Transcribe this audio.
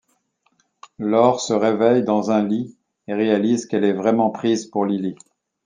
Laure se réveille dans un lit et réalise qu'elle est vraiment prise pour Lily.